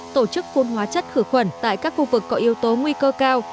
tổ chức phun hóa chất khử khuẩn tại các khu vực có yếu tố nguy cơ cao